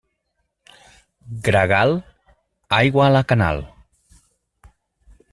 Gregal?, aigua a la canal.